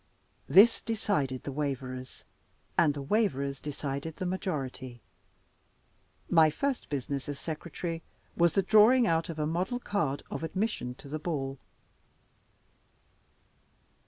This decided the waverers, and the waverers decided the majority. My first business, as Secretary, was the drawing out of a model card of admission to the ball.